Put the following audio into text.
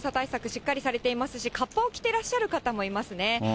しっかりされていますし、合羽を着てらっしゃる方もいますね。